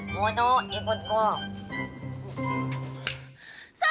buat lu ikut gua